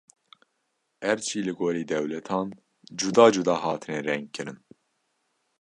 Erd jî li gorî dewletan cuda cuda hatine rengkirin.